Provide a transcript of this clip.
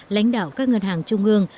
lãnh đạo các ngân hàng trung ương